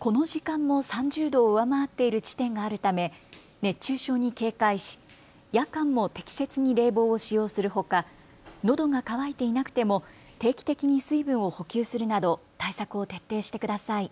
この時間も３０度を上回っている地点があるため熱中症に警戒し夜間も適切に冷房を使用するほかのどが渇いていなくても定期的に水分を補給するなど対策を徹底してください。